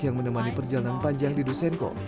yang menemani perjalanan panjang diduschenko